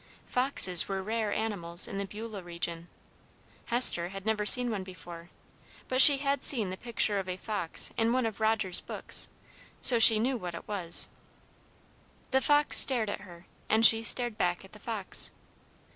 Foxes were rare animals in the Beulah region. Hester had never seen one before; but she had seen the picture of a fox in one of Roger's books, so she knew what it was. The fox stared at her, and she stared back at the fox.